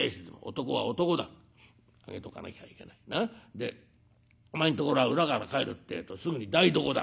でお前んところは裏から帰るってえとすぐに台所だ。